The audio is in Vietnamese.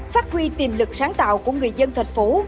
phát huy tiềm lực sáng tạo của người dân thành phố